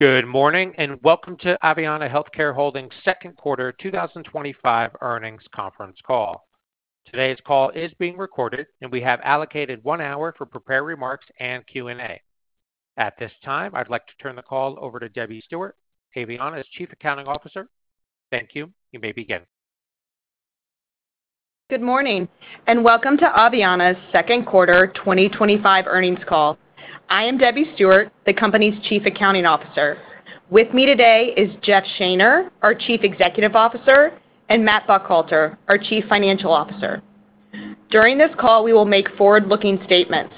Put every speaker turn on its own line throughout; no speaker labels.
Good morning and welcome to Aveanna Healthcare Holdings' Second Quarter 2025 Earnings Conference Call. Today's call is being recorded, and we have allocated one hour for prepared remarks and Q&A. At this time, I'd like to turn the call over to Debbie Stewart, Aveanna's Chief Accounting Officer. Thank you. You may begin.
Good morning and welcome to Aveanna's second quarter 2025 earnings call. I am Debbie Stewart, the company's Chief Accounting Officer. With me today is Jeff Shaner, our Chief Executive Officer, and Matt Buckhalter, our Chief Financial Officer. During this call, we will make forward-looking statements.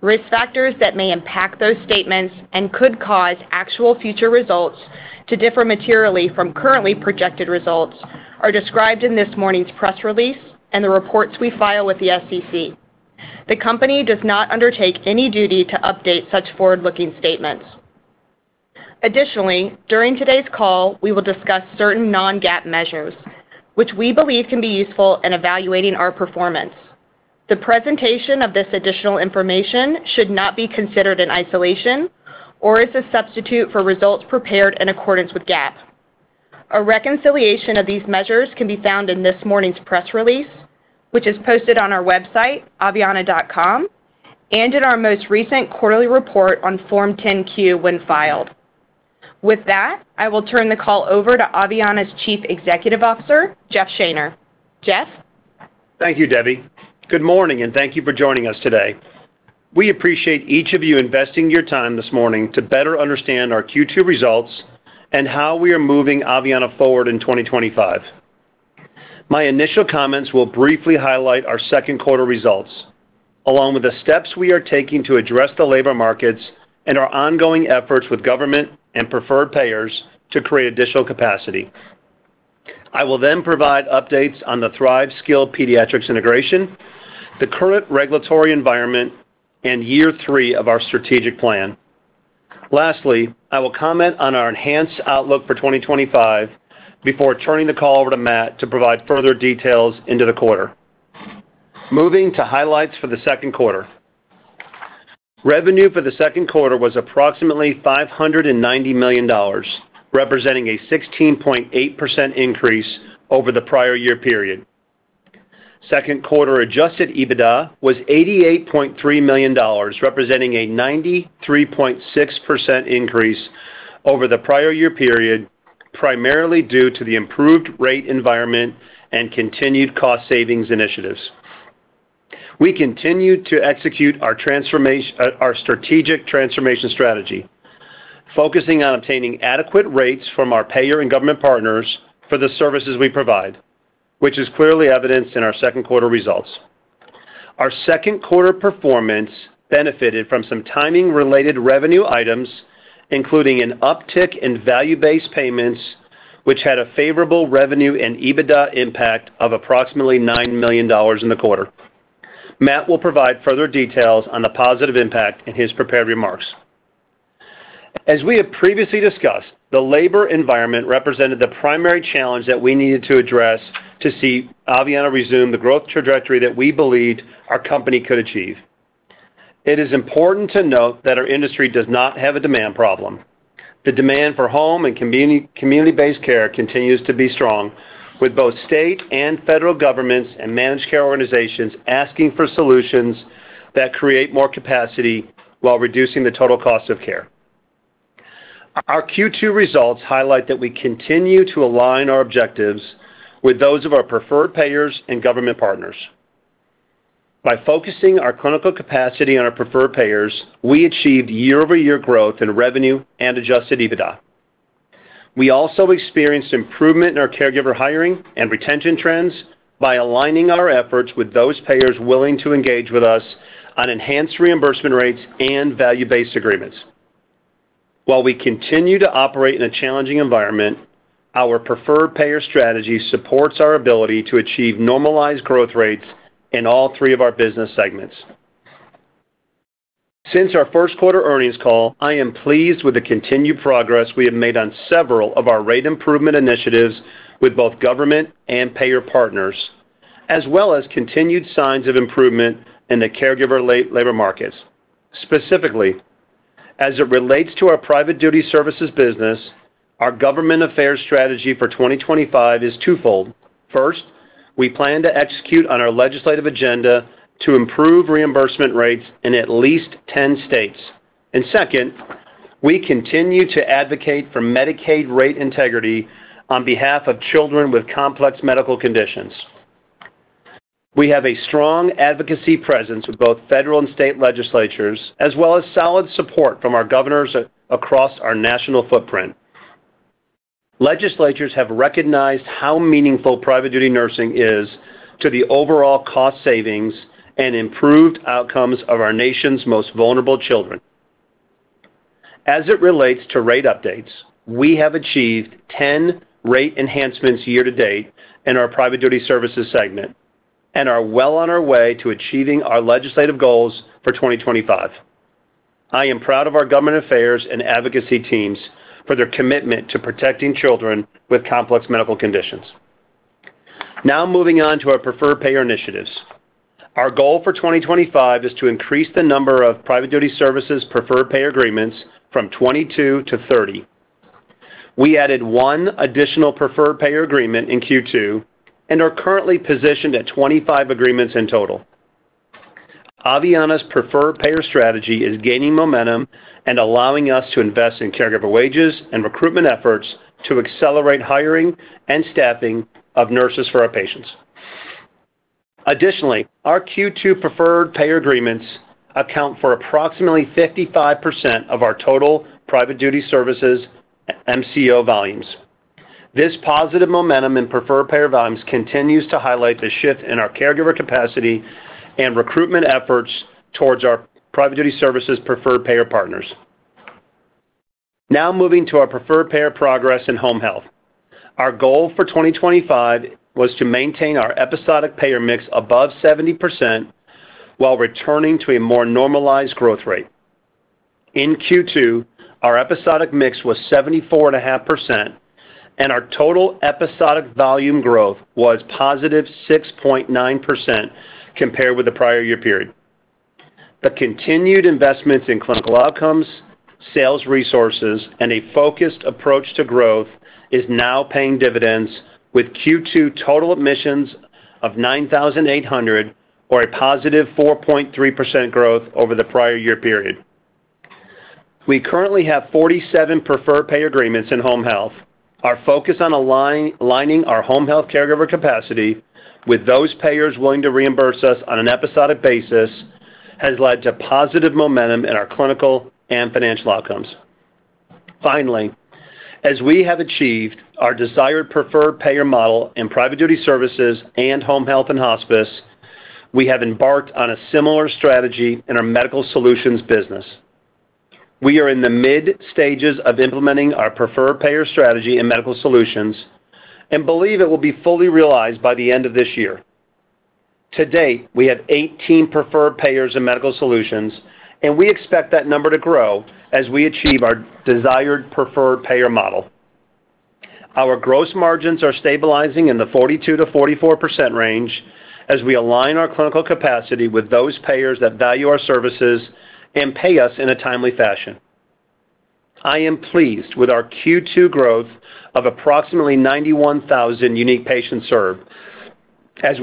Risk factors that may impact those statements and could cause actual future results to differ materially from currently projected results are described in this morning's press release and the reports we file with the SEC. The company does not undertake any duty to update such forward-looking statements. Additionally, during today's call, we will discuss certain non-GAAP measures, which we believe can be useful in evaluating our performance. The presentation of this additional information should not be considered in isolation or as a substitute for results prepared in accordance with GAAP. A reconciliation of these measures can be found in this morning's press release, which is posted on our website, aveanna.com, and in our most recent quarterly report on Form 10-Q when filed. With that, I will turn the call over to Aveanna's Chief Executive Officer, Jeff Shaner. Jeff?
Thank you, Debbie. Good morning and thank you for joining us today. We appreciate each of you investing your time this morning to better understand our Q2 results and how we are moving Aveanna forward in 2025. My initial comments will briefly highlight our second quarter results, along with the steps we are taking to address the labor markets and our ongoing efforts with government and preferred payers to create additional capacity. I will then provide updates on the Thrive Skilled Pediatric Care integration, the current regulatory environment, and year three of our strategic plan. Lastly, I will comment on our enhanced outlook for 2025 before turning the call over to Matt to provide further details into the quarter. Moving to highlights for the second quarter. Revenue for the second quarter was approximately $590 million, representing a 16.8% increase over the prior year period. Second quarter adjusted EBITDA was $88.3 million, representing a 93.6% increase over the prior year period, primarily due to the improved rate environment and continued cost savings initiatives. We continued to execute our strategic transformation strategy, focusing on obtaining adequate rates from our payer and government partners for the services we provide, which is clearly evidenced in our second quarter results. Our second quarter performance benefited from some timing-related revenue items, including an uptick in Value-Based Payments, which had a favorable revenue and EBITDA impact of approximately $9 million in the quarter. Matt will provide further details on the positive impact in his prepared remarks. As we have previously discussed, the labor environment represented the primary challenge that we needed to address to see Aveanna resume the growth trajectory that we believed our company could achieve. It is important to note that our industry does not have a demand problem. The demand for Home and Community-Based Care continues to be strong, with both state and federal governments and Managed Care Organizations asking for solutions that create more capacity while reducing the total cost of care. Our Q2 results highlight that we continue to align our objectives with those of our preferred payers and government partners. By focusing our clinical capacity on our preferred payers, we achieved year-over-year growth in revenue and adjusted EBITDA. We also experienced improvement in our caregiver hiring and retention trends by aligning our efforts with those payers willing to engage with us on enhanced reimbursement rates and value-based agreements. While we continue to operate in a challenging environment, our preferred payer strategy supports our ability to achieve normalized growth rates in all three of our business segments. Since our first quarter earnings call, I am pleased with the continued progress we have made on several of our rate improvement initiatives with both government and payer partners, as well as continued signs of improvement in the caregiver labor markets. Specifically, as it relates to our Private Duty Services business, our government affairs strategy for 2025 is twofold. First, we plan to execute on our legislative agenda to improve reimbursement rates in at least 10 states. Second, we continue to advocate for Medicaid rate integrity on behalf of children with complex medical conditions. We have a strong advocacy presence with both federal and state legislatures, as well as solid support from our governors across our national footprint. Legislatures have recognized how meaningful Private Duty Nursing is to the overall cost savings and improved outcomes of our nation's most vulnerable children. As it relates to rate updates, we have achieved 10 rate enhancements year to date in our Private Duty Services segment and are well on our way to achieving our legislative goals for 2025. I am proud of our government affairs and advocacy teams for their commitment to protecting children with complex medical conditions. Now moving on to our preferred payer initiatives. Our goal for 2025 is to increase the number of Private Duty Services preferred payer agreements from 22 to 30. We added one additional preferred payer agreement in Q2 and are currently positioned at 25 agreements in total. Aveanna's preferred payer strategy is gaining momentum and allowing us to invest in caregiver wages and recruitment efforts to accelerate hiring and staffing of nurses for our patients. Additionally, our Q2 preferred payer agreements account for approximately 55% of our total Private Duty Services and MCO volumes. This positive momentum in preferred payer volumes continues to highlight the shift in our caregiver capacity and recruitment efforts towards our Private Duty Services preferred payer partners. Now moving to our preferred payer progress in Home Health. Our goal for 2025 was to maintain our Episodic Payer Mix above 70% while returning to a more normalized growth rate. In Q2, our Episodic Mix was 74.5% and our total episodic volume growth was positive 6.9% compared with the prior year period. The continued investments in clinical outcomes, sales resources, and a focused approach to growth are now paying dividends, with Q2 total admissions of 9,800, or a positive 4.3% growth over the prior year period. We currently have 47 preferred payer agreements in Home Health. Our focus on aligning our Home Health caregiver capacity with those payers willing to reimburse us on an episodic basis has led to positive momentum in our clinical and financial outcomes. Finally, as we have achieved our desired preferred payer model in Private Duty Services and Home Health and Hospice, we have embarked on a similar strategy in our Medical Solutions business. We are in the mid-stages of implementing our preferred payer strategy in Medical Solutions and believe it will be fully realized by the end of this year. To date, we have 18 preferred payers in Medical Solutions, and we expect that number to grow as we achieve our desired preferred payer model. Our gross margins are stabilizing in the 42% to 44% range as we align our clinical capacity with those payers that value our services and pay us in a timely fashion. I am pleased with our Q2 growth of approximately 91,000 unique patients served as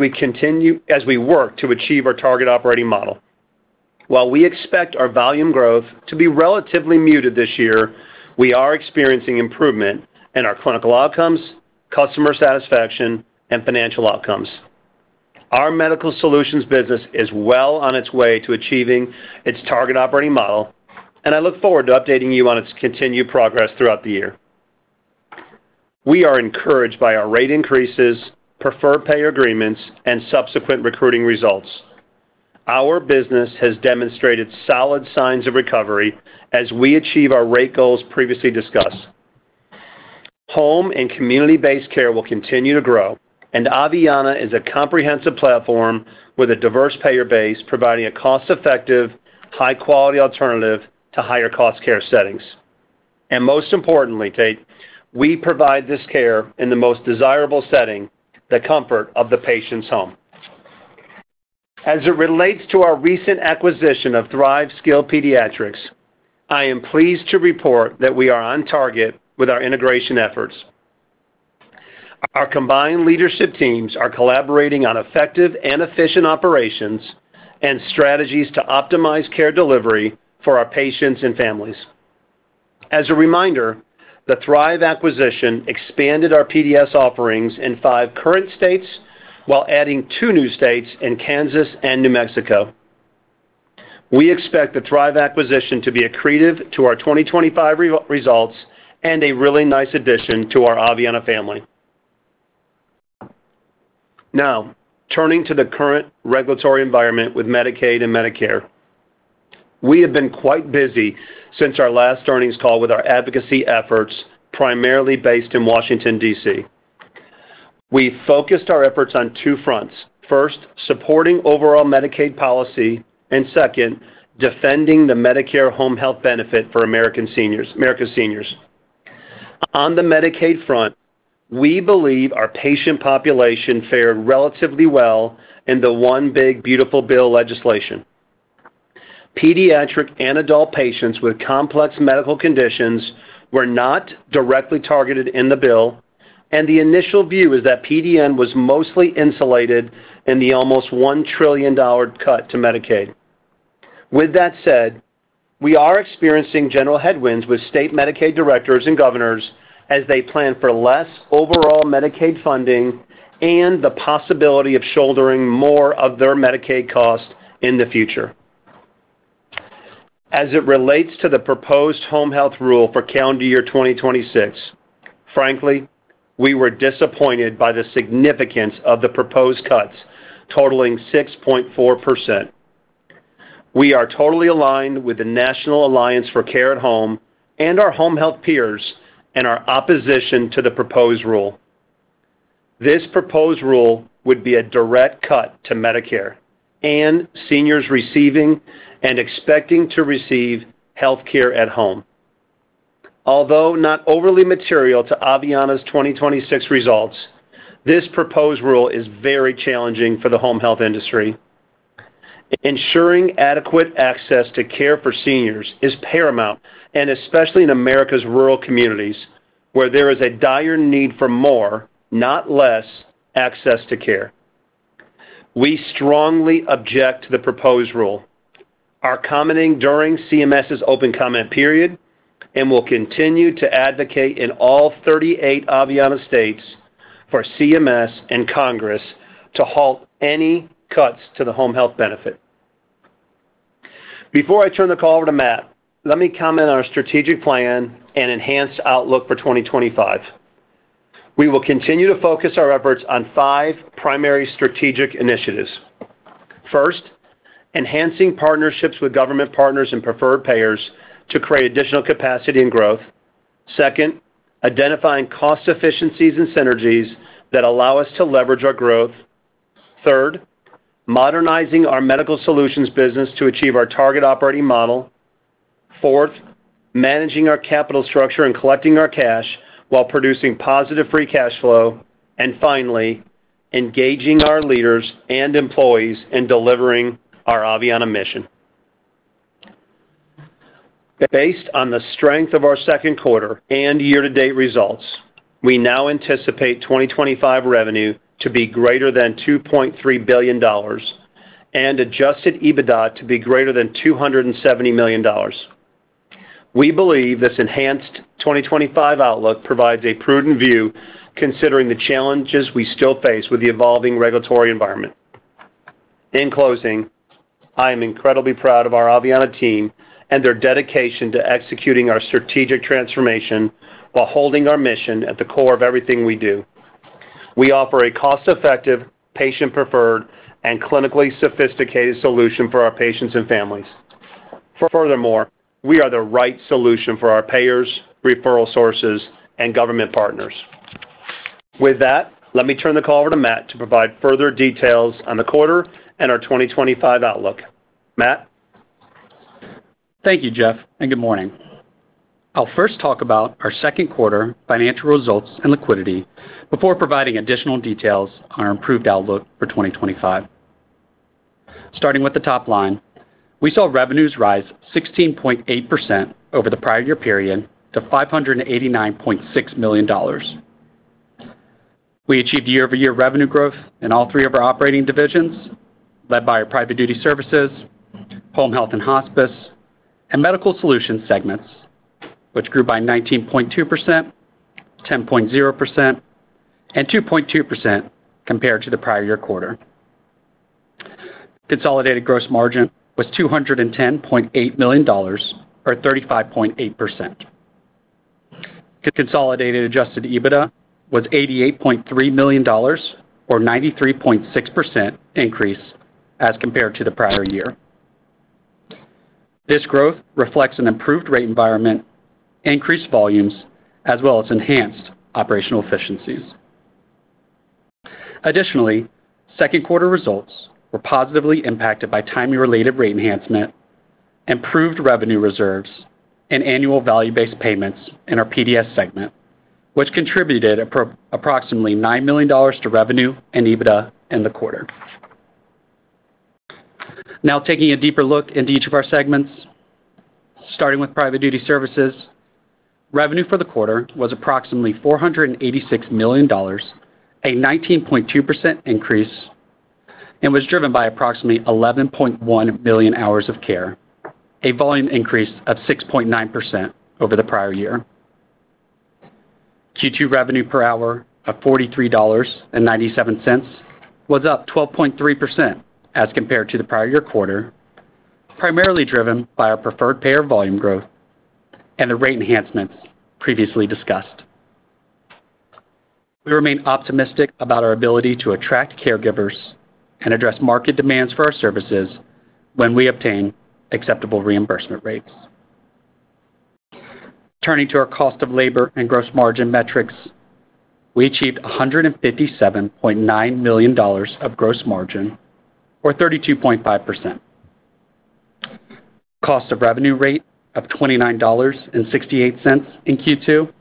we work to achieve our target operating model. While we expect our volume growth to be relatively muted this year, we are experiencing improvement in our clinical outcomes, customer satisfaction, and financial outcomes. Our Medical Solutions business is well on its way to achieving its target operating model, and I look forward to updating you on its continued progress throughout the year. We are encouraged by our rate increases, preferred payer agreements, and subsequent recruiting results. Our business has demonstrated solid signs of recovery as we achieve our rate goals previously discussed. Home and Community-Based Care will continue to grow, and Aveanna is a comprehensive platform with a diverse payer base providing a cost-effective, high-quality alternative to higher-cost care settings. Most importantly, we provide this care in the most desirable setting, the comfort of the patient's home. As it relates to our recent acquisition of Thrive Skilled Pediatrics, I am pleased to report that we are on target with our integration efforts. Our combined leadership teams are collaborating on effective and efficient operations and strategies to optimize care delivery for our patients and families. As a reminder, the Thrive acquisition expanded our PDS offerings in five current states while adding two new states in Kansas and New Mexico. We expect the Thrive acquisition to be accretive to our 2025 results and a really nice addition to our Aveanna family. Now, turning to the current regulatory environment with Medicaid and Medicare, we have been quite busy since our last earnings call with our advocacy efforts, primarily based in Washington, D.C. We focused our efforts on two fronts: first, supporting overall Medicaid policy, and second, defending the Medicare home health benefit for America's seniors. On the Medicaid front, we believe our patient population fared relatively well in the one big beautiful bill legislation. Pediatric and adult patients with complex medical conditions were not directly targeted in the bill, and the initial view is that PDN was mostly insulated in the almost $1 trillion cut to Medicaid. With that said, we are experiencing general headwinds with state Medicaid directors and governors as they plan for less overall Medicaid funding and the possibility of shouldering more of their Medicaid costs in the future. As it relates to the proposed home health rule for calendar year 2026, frankly, we were disappointed by the significance of the proposed cuts, totaling 6.4%. We are totally aligned with the National Alliance for Care at Home and our home health peers in our opposition to the proposed rule. This proposed rule would be a direct cut to Medicare and seniors receiving and expecting to receive healthcare at home. Although not overly material to Aveanna's 2026 results, this proposed rule is very challenging for the home health industry. Ensuring adequate access to care for seniors is paramount, especially in America's rural communities where there is a dire need for more, not less, access to care. We strongly object to the proposed rule. Our commenting during CMS's open comment period, and we'll continue to advocate in all 38 Aveanna states for CMS and Congress to halt any cuts to the home health benefit. Before I turn the call over to Matt, let me comment on our strategic plan and enhanced outlook for 2025. We will continue to focus our efforts on five primary strategic initiatives. First, enhancing partnerships with government partners and preferred payers to create additional capacity and growth. Second, identifying cost efficiencies and synergies that allow us to leverage our growth. Third, modernizing our Medical Solutions business to achieve our target operating model. Fourth, managing our capital structure and collecting our cash while producing positive free cash flow. Finally, engaging our leaders and employees in delivering our Aveanna mission. Based on the strength of our second quarter and year-to-date results, we now anticipate 2025 revenue to be greater than $2.3 billion and adjusted EBITDA to be greater than $270 million. We believe this enhanced 2025 outlook provides a prudent view considering the challenges we still face with the evolving regulatory environment. In closing, I am incredibly proud of our Aveanna team and their dedication to executing our strategic transformation while holding our mission at the core of everything we do. We offer a cost-effective, patient-preferred, and clinically sophisticated solution for our patients and families. Furthermore, we are the right solution for our payers, referral sources, and government partners. With that, let me turn the call over to Matt to provide further details on the quarter and our 2025 outlook. Matt?
Thank you, Jeff, and good morning. I'll first talk about our second quarter financial results and liquidity before providing additional details on our improved outlook for 2025. Starting with the top line, we saw revenues rise 16.8% over the prior year period to $589.6 million. We achieved year-over-year revenue growth in all three of our operating divisions, led by our Private Duty Services, Home Health and Hospice, and Medical Solutions segments, which grew by 19.2%, 10.0%, and 2.2% compared to the prior year quarter. Consolidated gross margin was $210.8 million, or 35.8%. Consolidated adjusted EBITDA was $88.3 million, or a 93.6% increase as compared to the prior year. This growth reflects an improved rate environment, increased volumes, as well as enhanced operational efficiencies. Additionally, second quarter results were positively impacted by timing-related rate enhancement, improved revenue reserves, and annual Value-Based Payments in our PDS segment, which contributed approximately $9 million to revenue and EBITDA in the quarter. Now, taking a deeper look into each of our segments, starting with Private Duty Services, revenue for the quarter was approximately $486 million, a 19.2% increase, and was driven by approximately 11.1 million hours of care, a volume increase of 6.9% over the prior year. Q2 revenue per hour of $43.97 was up 12.3% as compared to the prior year quarter, primarily driven by our preferred payer volume growth and the rate enhancements previously discussed. We remain optimistic about our ability to attract caregivers and address market demands for our services when we obtain acceptable reimbursement rates. Turning to our cost of labor and gross margin metrics, we achieved $157.9 million of gross margin, or 32.5%. Cost of revenue rate of $29.68 in Q2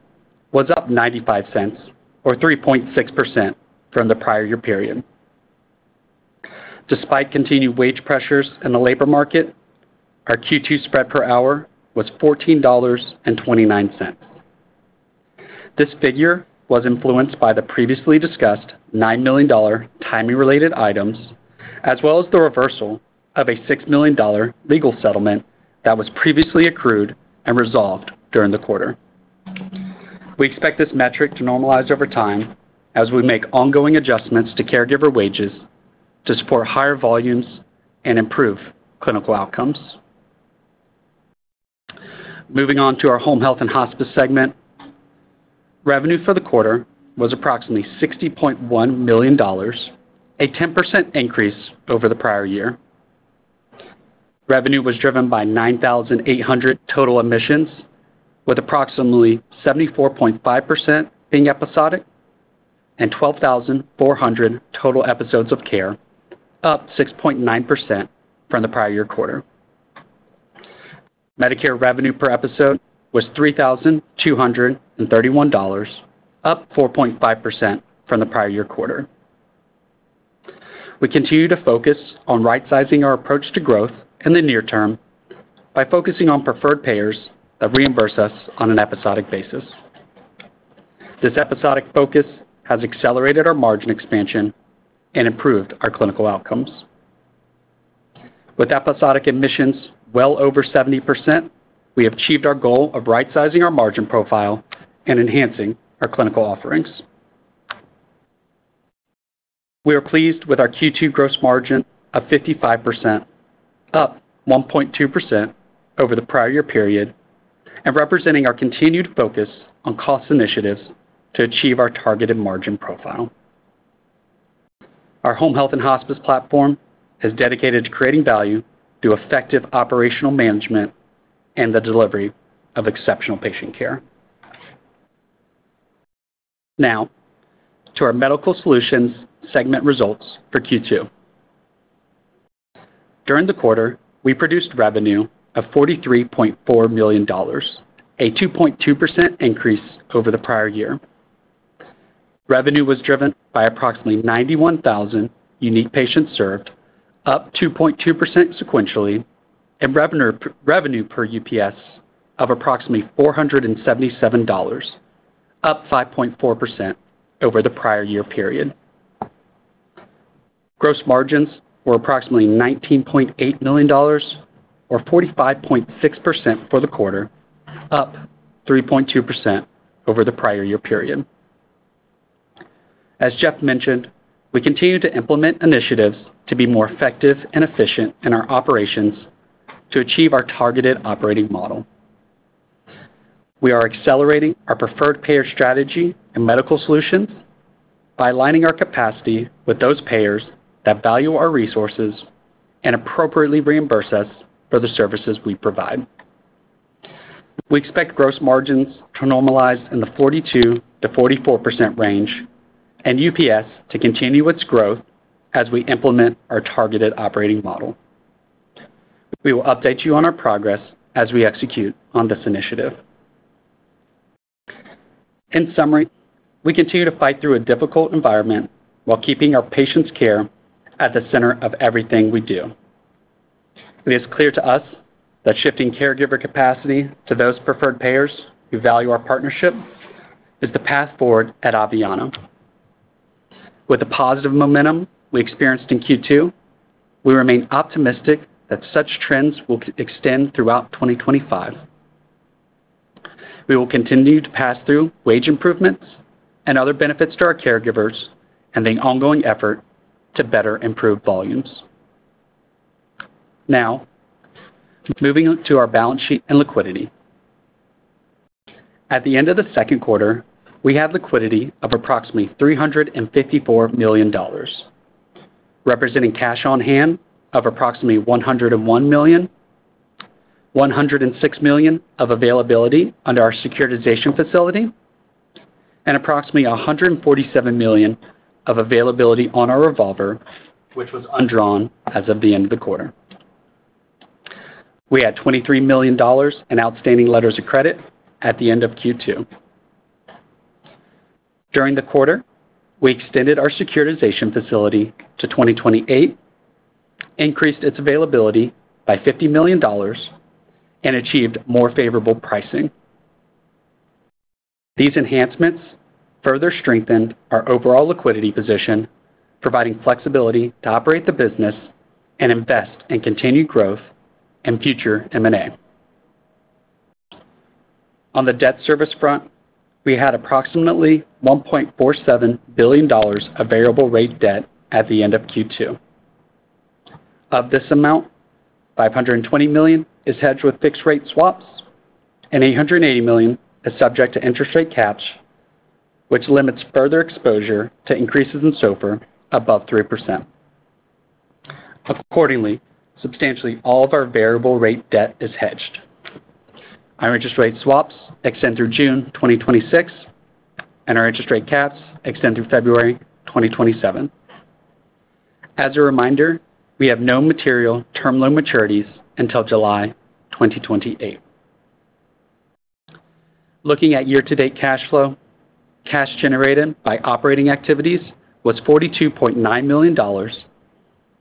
was up $0.95, or 3.6% from the prior year period. Despite continued wage pressures in the labor market, our Q2 spread per hour was $14.29. This figure was influenced by the previously discussed $9 million timing-related items, as well as the reversal of a $6 million legal settlement that was previously accrued and resolved during the quarter. We expect this metric to normalize over time as we make ongoing adjustments to caregiver wages to support higher volumes and improve clinical outcomes. Moving on to our Home Health and Hospice segment, revenue for the quarter was approximately $60.1 million, a 10% increase over the prior year. Revenue was driven by 9,800 total admissions, with approximately 74.5% being episodic and 12,400 total episodes of care, up 6.9% from the prior year quarter. Medicare revenue per episode was $3,231, up 4.5% from the prior year quarter. We continue to focus on right-sizing our approach to growth in the near term by focusing on preferred payers that reimburse us on an episodic basis. This episodic focus has accelerated our margin expansion and improved our clinical outcomes. With episodic admissions well over 70%, we have achieved our goal of right-sizing our margin profile and enhancing our clinical offerings. We are pleased with our Q2 gross margin of 55%, up 1.2% over the prior year period, and representing our continued focus on cost initiatives to achieve our targeted margin profile. Our Home Health and Hospice platform is dedicated to creating value through effective operational management and the delivery of exceptional patient care. Now, to our Medical Solutions segment results for Q2. During the quarter, we produced revenue of $43.4 million, a 2.2% increase over the prior year. Revenue was driven by approximately 91,000 Unique Patients Served, up 2.2% sequentially, and revenue per UPS of approximately $477, up 5.4% over the prior year period. Gross margins were approximately $19.8 million, or 45.6% for the quarter, up 3.2% over the prior year period. As Jeff mentioned, we continue to implement initiatives to be more effective and efficient in our operations to achieve our targeted operating model. We are accelerating our preferred payer strategy in Medical Solutions by aligning our capacity with those payers that value our resources and appropriately reimburse us for the services we provide. We expect gross margins to normalize in the 42% to 44% range and UPS to continue its growth as we implement our targeted operating model. We will update you on our progress as we execute on this initiative. In summary, we continue to fight through a difficult environment while keeping our patients' care at the center of everything we do. It is clear to us that shifting caregiver capacity to those preferred payers who value our partnership is the path forward at Aveanna. With the positive momentum we experienced in Q2, we remain optimistic that such trends will extend throughout 2025. We will continue to pass through wage improvements and other benefits to our caregivers and the ongoing effort to better improve volumes. Now, moving to our balance sheet and liquidity. At the end of the second quarter, we had liquidity of approximately $354 million, representing cash on hand of approximately $101 million, $106 million of availability under our Securitization Facility, and approximately $147 million of availability on our revolver, which was undrawn as of the end of the quarter. We had $23 million in outstanding letters of credit at the end of Q2. During the quarter, we extended our Securitization Facility to 2028, increased its availability by $50 million, and achieved more favorable pricing. These enhancements further strengthened our overall liquidity position, providing flexibility to operate the business and invest in continued growth and future M&A. On the debt service front, we had approximately $1.47 billion of variable rate debt at the end of Q2. Of this amount, $520 million is hedged with fixed-rate swaps and $880 million is subject to Interest Rate Caps, which limits further exposure to increases in SOFR above 3%. Accordingly, substantially all of our variable rate debt is hedged. Our Interest Rate Swaps extend through June 2026, and our Interest Rate Caps extend through February 2027. As a reminder, we have no material term loan maturities until July 2028. Looking at year-to-date cash flow, cash generated by operating activities was $42.9 million,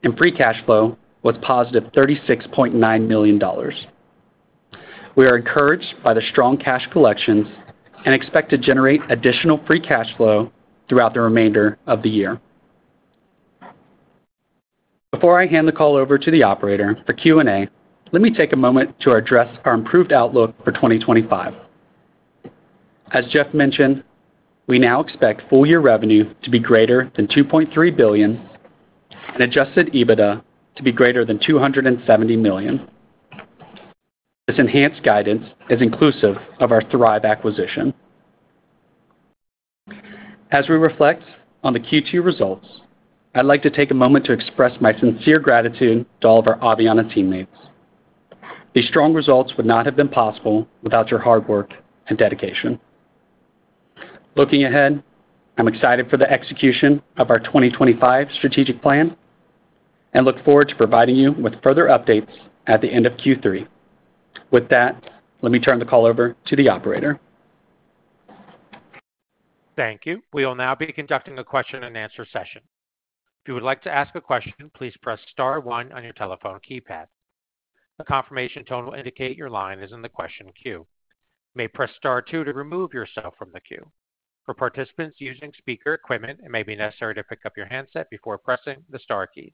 and free cash flow was positive $36.9 million. We are encouraged by the strong cash collections and expect to generate additional free cash flow throughout the remainder of the year. Before I hand the call over to the operator for Q&A, let me take a moment to address our improved outlook for 2025. As Jeff mentioned, we now expect full-year revenue to be greater than $2.3 billion and adjusted EBITDA to be greater than $270 million. This enhanced guidance is inclusive of our Thrive acquisition. As we reflect on the Q2 results, I'd like to take a moment to express my sincere gratitude to all of our Aveanna teammates. These strong results would not have been possible without your hard work and dedication. Looking ahead, I'm excited for the execution of our 2025 strategic plan and look forward to providing you with further updates at the end of Q3. With that, let me turn the call over to the operator.
Thank you. We will now be conducting a question and answer session. If you would like to ask a question, please press star one on your telephone keypad. A confirmation tone will indicate your line is in the question queue. You may press star two to remove yourself from the queue. For participants using speaker equipment, it may be necessary to pick up your handset before pressing the star keys.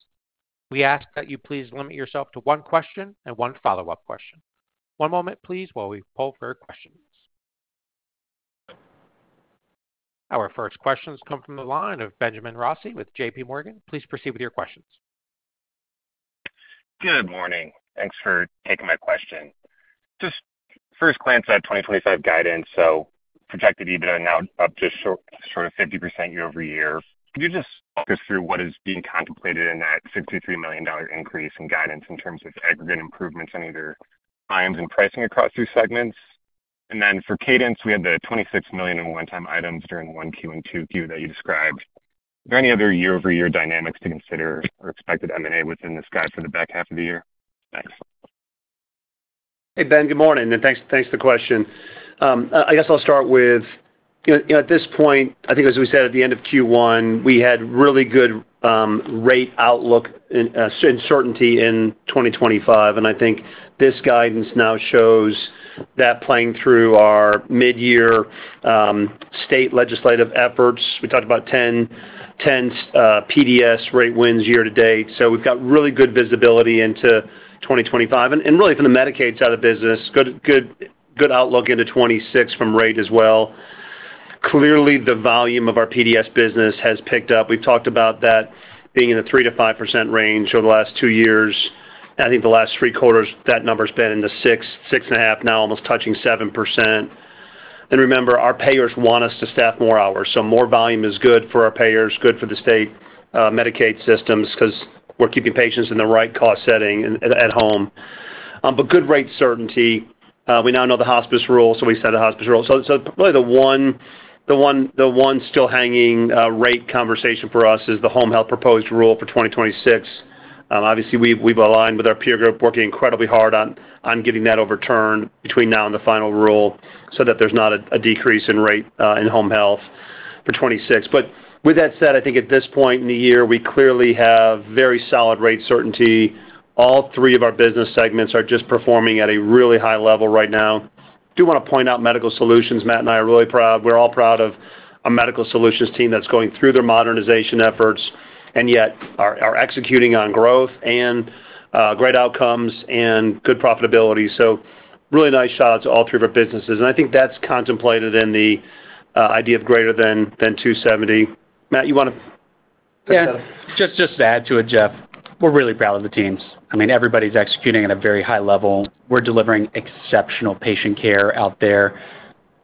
We ask that you please limit yourself to one question and one follow-up question. One moment, please, while we pull for questions. Our first questions come from the line of Benjamin Rossi with JPMorgan. Please proceed with your questions.
Good morning. Thanks for taking my question. Just first glance at 2025 guidance, so projected EBITDA now up to a short of 50% year over year. Can you just walk us through what is being contemplated in that $63 million increase in guidance in terms of aggregate improvements on either items and pricing across the segments? For cadence, we had the $26 million in one-time items during Q1 and Q2 that you described. Are there any other year-over-year dynamics to consider or expected M&A within this guide for the back half of the year? Thanks.
Hey, Ben, good morning. Thanks for the question. I guess I'll start with, you know, at this point, I think as we said at the end of Q1, we had really good rate outlook and certainty in 2025. I think this guidance now shows that playing through our mid-year state legislative efforts. We talked about 10 PDS rate wins year to date. We've got really good visibility into 2025, and really from the Medicaid side of business, good outlook into 2026 from rate as well. Clearly, the volume of our PDS business has picked up. We've talked about that being in the 3% to 5% range over the last two years. I think the last three quarters, that number has been in the 6%, 6.5%, now almost touching 7%. Remember, our payers want us to staff more hours. More volume is good for our payers, good for the state Medicaid systems because we're keeping patients in the right cost setting at home. Good rate certainty. We now know the hospice rule, so we said the hospice rule. Really the one still hanging rate conversation for us is the Home Health proposed rule for 2026. Obviously, we've aligned with our peer group, working incredibly hard on getting that overturned between now and the final rule so that there's not a decrease in rate in Home Health for 2026. With that said, I think at this point in the year, we clearly have very solid rate certainty. All three of our business segments are just performing at a really high level right now. I do want to point out Medical Solutions. Matt and I are really proud. We're all proud of a Medical Solutions team that's going through their modernization efforts and yet are executing on growth and great outcomes and good profitability. Really nice shots to all three of our businesses. I think that's contemplated in the idea of greater than $2.70. Matt, you want to?
Yeah, just to add to it, Jeff, we're really proud of the teams. I mean, everybody's executing at a very high level. We're delivering exceptional patient care out there.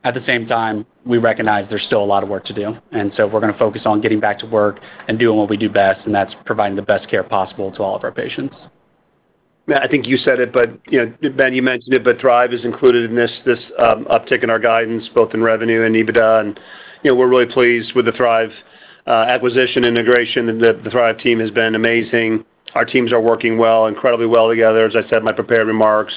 At the same time, we recognize there's still a lot of work to do. We are going to focus on getting back to work and doing what we do best, and that's providing the best care possible to all of our patients.
Yeah, I think you said it, but you know, Ben, you mentioned it, but Thrive is included in this uptick in our guidance, both in revenue and EBITDA. We're really pleased with the Thrive acquisition integration, and the Thrive team has been amazing. Our teams are working well, incredibly well together, as I said in my prepared remarks.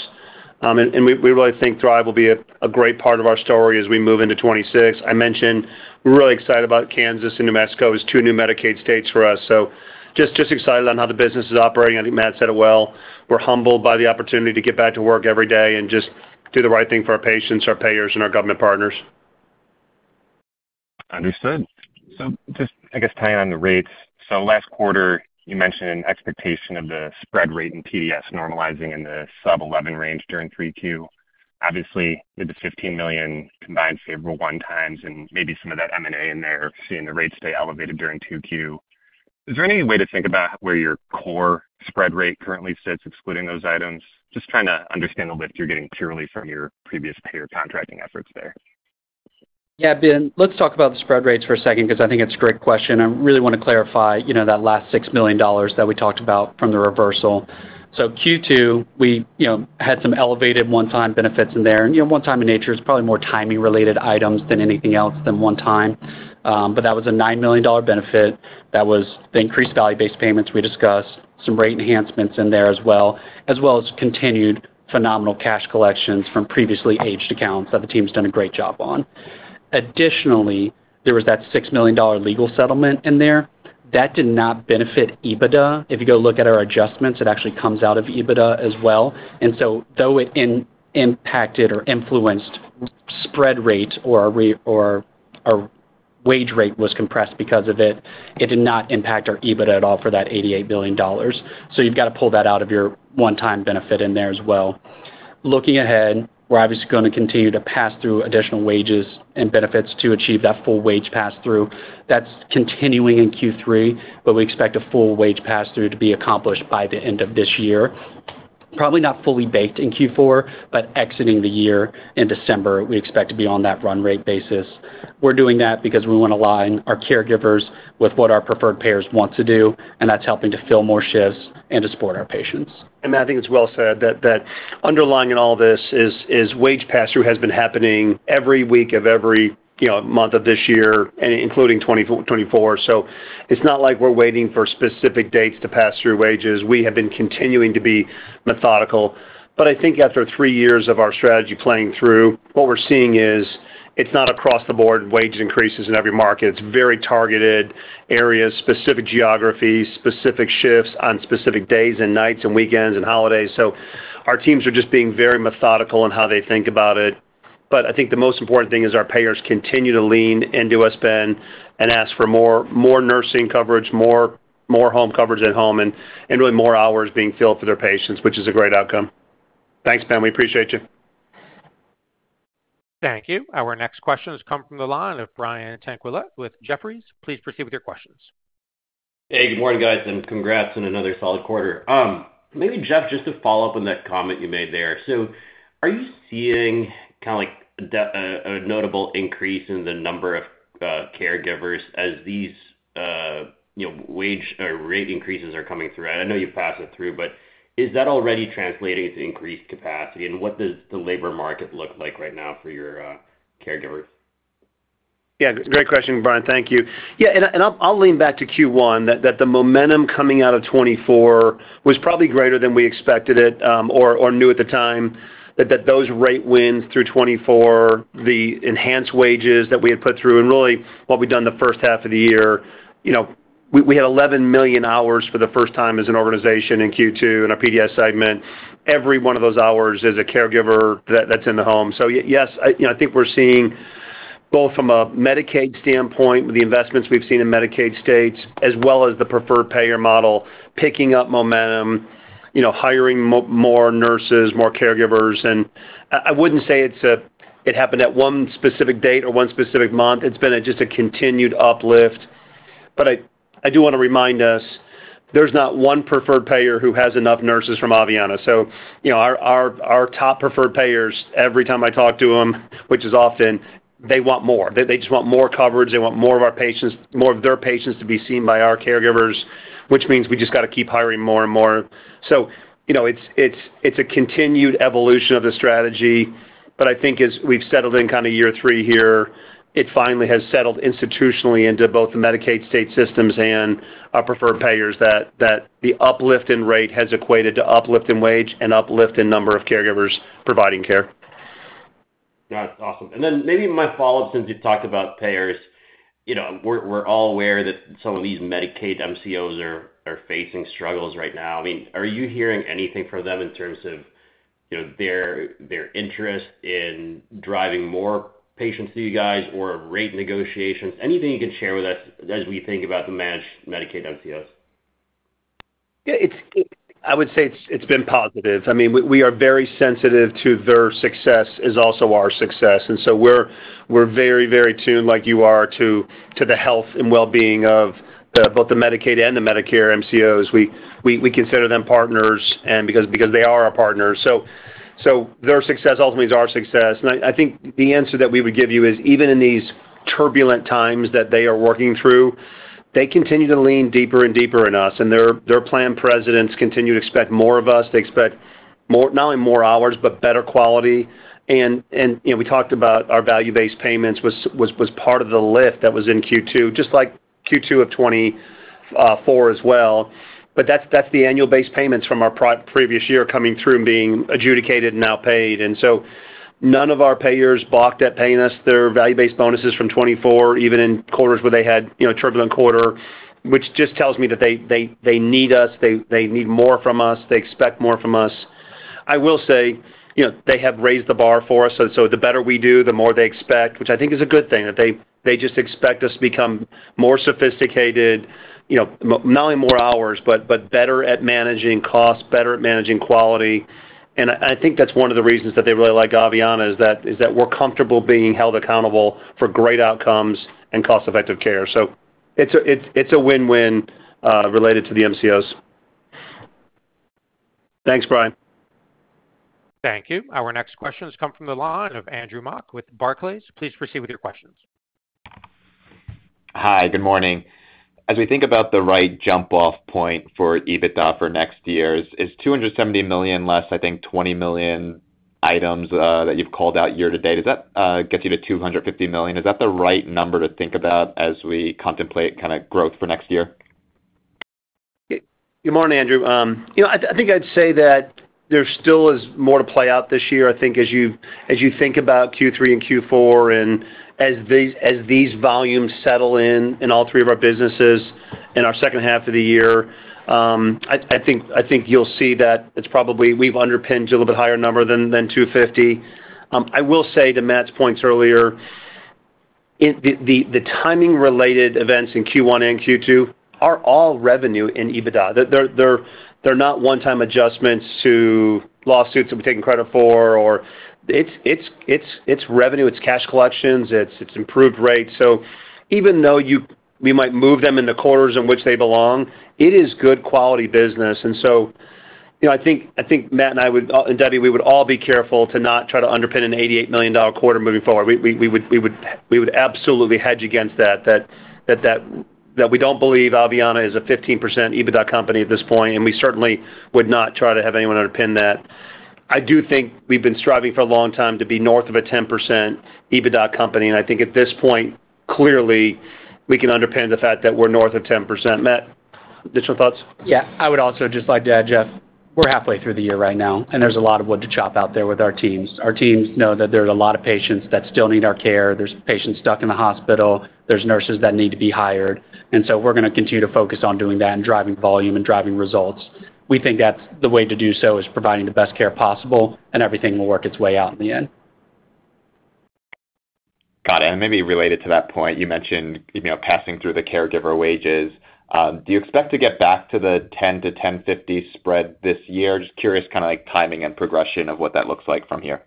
We really think Thrive will be a great part of our story as we move into 2026. I mentioned we're really excited about Kansas and New Mexico as two new Medicaid states for us. Just excited on how the business is operating. I think Matt said it well. We're humbled by the opportunity to get back to work every day and just do the right thing for our patients, our payers, and our government partners.
Understood. Just, I guess, tying on the rates. Last quarter, you mentioned an expectation of the spread rate in PDS normalizing in the sub-11 range during Q3. Obviously, with the $15 million combined favorable one-times and maybe some of that M&A in there, seeing the rates stay elevated during Q2. Is there any way to think about where your core spread rate currently sits, excluding those items? Just trying to understand the lift you're getting too early from your previous payer contracting efforts there.
Yeah, Ben, let's talk about the spread rates for a second because I think it's a great question. I really want to clarify, you know, that last $6 million that we talked about from the reversal. Q2, we had some elevated one-time benefits in there. One-time in nature is probably more timing-related items than anything else than one time. That was a $9 million benefit. That was the increased Value-Based Payments we discussed, some rate enhancements in there as well, as well as continued phenomenal cash collections from previously aged accounts that the team's done a great job on. Additionally, there was that $6 million legal settlement in there. That did not benefit EBITDA. If you go look at our adjustments, it actually comes out of EBITDA as well. Though it impacted or influenced spread rates or our wage rate was compressed because of it, it did not impact our EBITDA at all for that $88 million. You've got to pull that out of your one-time benefit in there as well. Looking ahead, we're obviously going to continue to pass through additional wages and benefits to achieve that full wage pass-through. That's continuing in Q3, but we expect a full wage pass-through to be accomplished by the end of this year. Probably not fully baked in Q4, but exiting the year in December, we expect to be on that run rate basis. We're doing that because we want to align our caregivers with what our preferred payers want to do, and that's helping to fill more shifts and to support our patients.
I think it's well said that underlying in all this is wage pass-through has been happening every week of every month of this year, including 2024. It's not like we're waiting for specific dates to pass through wages. We have been continuing to be methodical. After three years of our strategy playing through, what we're seeing is it's not across the board wage increases in every market. It's very targeted areas, specific geographies, specific shifts on specific days and nights and weekends and holidays. Our teams are just being very methodical in how they think about it. The most important thing is our payers continue to lean into us, Ben, and ask for more nursing coverage, more home coverage at home, and really more hours being filled for their patients, which is a great outcome. Thanks, Ben. We appreciate you.
Thank you. Our next questions come from the line of Brian Tanquilut with Jefferies. Please proceed with your questions.
Hey, good morning guys, and congrats on another solid quarter. Maybe Jeff, just to follow up on that comment you made there. Are you seeing kind of like a notable increase in the number of caregivers as these wage rate increases are coming through? I know you passed it through, but is that already translating to increased capacity? What does the labor market look like right now for your caregiver?
Yeah, great question, Brian. Thank you. I'll lean back to Q1 that the momentum coming out of 2024 was probably greater than we expected it or knew at the time. Those rate wins through 2024, the enhanced wages that we had put through, and really what we'd done the first half of the year, we had 11 million hours for the first time as an organization in Q2 in our PDS segment. Every one of those hours is a caregiver that's in the home. Yes, I think we're seeing both from a Medicaid standpoint with the investments we've seen in Medicaid states, as well as the preferred payer model picking up momentum, hiring more nurses, more caregivers. I wouldn't say it happened at one specific date or one specific month. It's been just a continued uplift. I do want to remind us there's not one preferred payer who has enough nurses from Aveanna. Our top preferred payers, every time I talk to them, which is often, they want more. They just want more coverage. They want more of our patients, more of their patients to be seen by our caregivers, which means we just got to keep hiring more and more. It's a continued evolution of the strategy. I think as we've settled in kind of year three here, it finally has settled institutionally into both the Medicaid state systems and our preferred payers that the uplift in rate has equated to uplift in wage and uplift in number of caregivers providing care.
That's awesome. Maybe my follow-up, since you've talked about payers, you know, we're all aware that some of these Medicaid MCOs are facing struggles right now. Are you hearing anything from them in terms of their interest in driving more patients to you guys or rate negotiations? Anything you can share with us as we think about the managed Medicaid MCO?
Yeah, I would say it's been positive. I mean, we are very sensitive to their success as also our success. We are very, very tuned, like you are, to the health and well-being of both the Medicaid and the Medicare MCOs. We consider them partners because they are our partners. Their success ultimately is our success. I think the answer that we would give you is even in these turbulent times that they are working through, they continue to lean deeper and deeper in us. Their plan presidents continue to expect more of us. They expect not only more hours, but better quality. We talked about our Value-Based Payments was part of the lift that was in Q2, just like Q2 of 2024 as well. That's the annual-based payments from our previous year coming through and being adjudicated and now paid. None of our payers balked at paying us their value-based bonuses from 2024, even in quarters where they had a turbulent quarter, which just tells me that they need us. They need more from us. They expect more from us. I will say they have raised the bar for us. The better we do, the more they expect, which I think is a good thing, that they just expect us to become more sophisticated, not only more hours, but better at managing costs, better at managing quality. I think that's one of the reasons that they really like Aveanna is that we're comfortable being held accountable for great outcomes and cost-effective care. It's a win-win related to the MCOs. Thanks, Brian.
Thank you. Our next questions come from the line of Andrew Mock with Barclays. Please proceed with your question.
Hi, good morning. As we think about the right jump-off point for EBITDA for next year, is $270 million less, I think, $20 million items that you've called out year to date. Does that get you to $250 million? Is that the right number to think about as we contemplate kind of growth for next year?
Good morning, Andrew. I think I'd say that there still is more to play out this year. I think as you think about Q3 and Q4 and as these volumes settle in in all three of our businesses in our second half of the year, I think you'll see that it's probably we've underpinned a little bit higher number than $250 million. I will say to Matt's points earlier, the timing-related events in Q1 and Q2 are all revenue in EBITDA. They're not one-time adjustments to lawsuits that we're taking credit for. It's revenue, it's cash collections, it's improved rates. Even though we might move them in the quarters in which they belong, it is good quality business. I think Matt and I would, and Debbie, we would all be careful to not try to underpin an $88 million quarter moving forward. We would absolutely hedge against that, that we don't believe Aveanna is a 15% EBITDA company at this point, and we certainly would not try to have anyone underpin that. I do think we've been striving for a long time to be north of a 10% EBITDA company, and I think at this point, clearly, we can underpin the fact that we're north of 10%. Matt, additional thoughts?
Yeah, I would also just like to add, Jeff, we're halfway through the year right now, and there's a lot of wood to chop out there with our teams. Our teams know that there's a lot of patients that still need our care. There are patients stuck in the hospital. There are nurses that need to be hired. We are going to continue to focus on doing that and driving volume and driving results. We think the way to do so is providing the best care possible, and everything will work its way out in the end.
Got it. Maybe related to that point, you mentioned passing through the caregiver wages. Do you expect to get back to the $10 to $10.50 spread this year? Just curious, kind of like timing and progression of what that looks like from here.